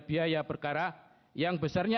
biaya perkara yang besarnya